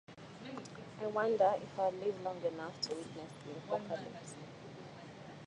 I wonder if I'll live long enough to witness the apocalypse.